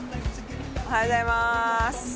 おはようございます。